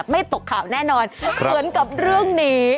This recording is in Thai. ตกข่าวแน่นอนเหมือนกับเรื่องนี้